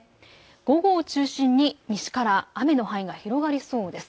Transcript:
午後を中心に西から雨の範囲が広がりそうです。